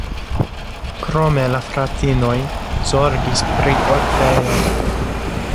Krome la fratinoj zorgis pri orfejo.